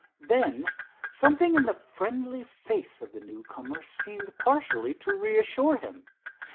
Then, something in the friendly face of the newcomer seemed partially to reassure him.